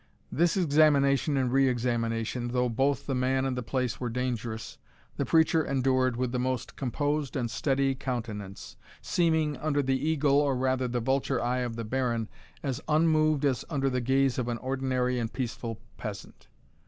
This examination and re examination, though both the man and the place were dangerous, the preacher endured with the most composed and steady countenance, seeming, under the eagle, or rather the vulture eye of the baron, as unmoved as under the gaze of an ordinary and peaceful peasant.